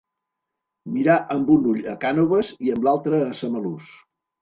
Mirar amb un ull a Cànoves i amb l'altre a Samalús.